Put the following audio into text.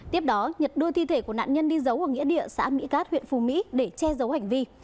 tiếp đó nhật đưa thi thể của nạn nhân đi giấu ở nghĩa địa xã mỹ cát huyện phù mỹ để che giấu hành vi